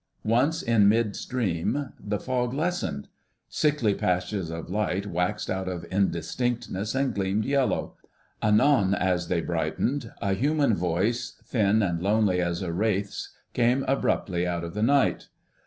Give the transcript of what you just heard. Once in mid stream the fog lessened. Sickly patches of light waxed out of indistinctness and gleamed yellow. Anon as they brightened, a human voice, thin and lonely as a wraith's, came abruptly out of the night.